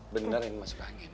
bener yang masuk angin